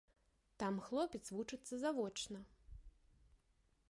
Там хлопец вучыцца завочна.